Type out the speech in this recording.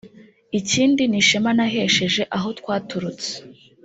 ikindi ni ishema nahesheje aho twaturutse